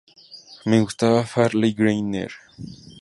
Me gustaba Farley Granger.